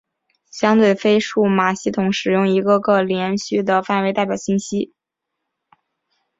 相对的非数码系统使用一个个连续的范围代表信息。